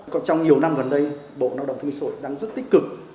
còn trong nhiều năm gần đây bộ lao động thương minh sội đang rất tích cực